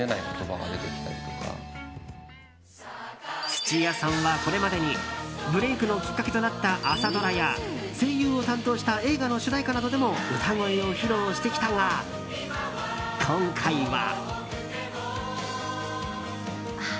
土屋さんはこれまでにブレークのきっかけとなった朝ドラや声優を担当した映画の主題歌などでも歌声を披露してきたが、今回は。